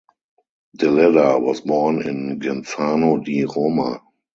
Deledda was born in Genzano di Roma.